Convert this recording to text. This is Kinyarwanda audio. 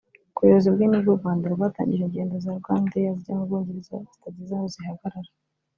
Ku buyobozi bwe ni bwo u Rwanda rwatangije ingendo za Rwandair zijya mu Bwongereza zitagize aho zihagarara